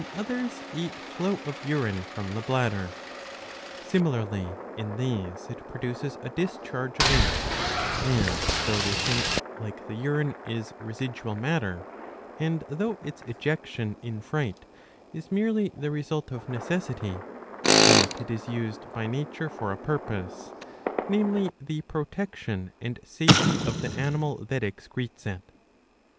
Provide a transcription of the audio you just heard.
others, a flow of urine from the bladder.20 Similarly in these it produces a discharge of ink, and though this ink, like the urine, is residual matter, and though its ejection in fright is merely the result of necessity, yet it is used by nature for a purpose,^' namely the protection and safety of the animal that excretes it.